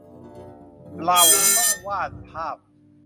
เราต้องวาดภาพ